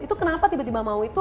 itu kenapa tiba tiba mau itu